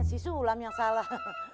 sisu ulam yang salah